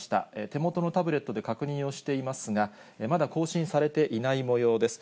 手元のタブレットで確認をしていますが、まだ更新されていないもようです。